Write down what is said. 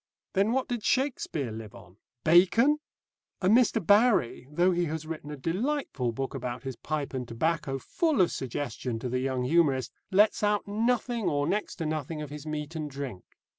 Then what did Shakespeare live on? Bacon? And Mr. Barrie, though he has written a delightful book about his pipe and tobacco, full of suggestion to the young humorist, lets out nothing or next to nothing of his meat and drink.